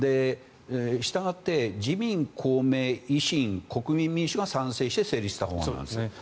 したがって自民、公明、維新、国民民主が賛成して成立した法案なんですね。